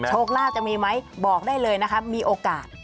โชคลาภจะมีไหมบอกได้เลยนะครับมีโอกาส